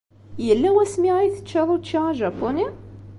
Yella wasmi ay teččid učči ajapuni?